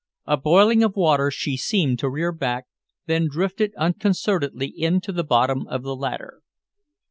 A boiling of water, she seemed to rear back, then drifted unconcernedly in to the bottom of the ladder.